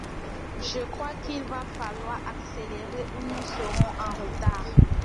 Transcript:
Je crois qu'il va falloir accélérer ou nous serons en retard.